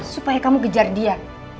supaya kamu kejar dia